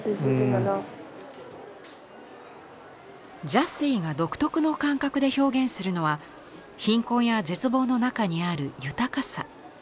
ジャスィが独特の感覚で表現するのは貧困や絶望の中にある豊かさ。